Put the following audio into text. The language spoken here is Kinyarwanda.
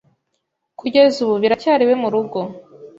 kugeza ubu biracyari iwe mu rugo